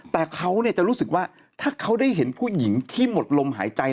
แต่เขาจะรู้สึกว่าถ้าเขาได้เห็นผู้หญิงที่หมดลมหายใจ